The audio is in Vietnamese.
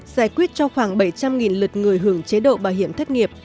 giải quyết cho khoảng bảy trăm linh lượt người hưởng chế độ bảo hiểm thất nghiệp